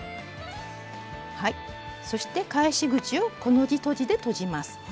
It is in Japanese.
そして返し口をコの字とじでとじます。